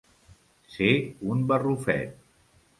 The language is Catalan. Ser un barrufet.